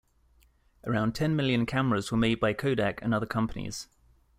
Around ten million cameras were made by Kodak and other companies.